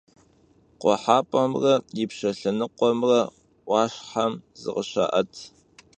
Khuhep'emre yipşe lhenıkhuemre 'Uaşhexem zıkhışa'et.